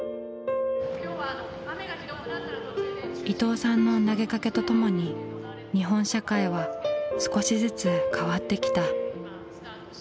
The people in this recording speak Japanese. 伊藤さんの投げかけとともに日本社会は少しずつ変わってきた。